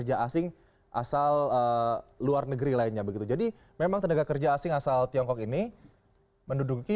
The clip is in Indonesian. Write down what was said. kerja asing asal luar negeri lainnya begitu jadi memang tenaga kerja asing asal tiongkok ini menduduki